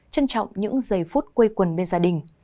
trân trọng những giây phút quây quần bên gia đình